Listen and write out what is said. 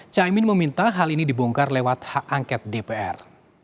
caimin meminta hal ini dibongkar lewat hak angket dpr